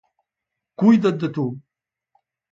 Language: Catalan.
Cuida't de tu.